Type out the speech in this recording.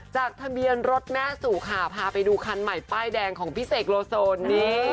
จากทะเบียนรถแม่สู่ค่ะพาไปดูคันใหม่ป้ายแดงของพี่เสกโลโซนนี่